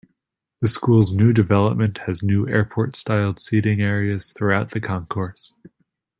The school's new development has new airport styled seating areas throughout the concourse.